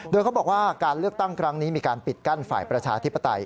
โดยเขาบอกว่าการเลือกตั้งครั้งนี้มีการปิดกั้นฝ่ายประชาธิปไตย